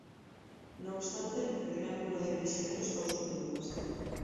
No obstante, el gran número de prisioneros causó problemas.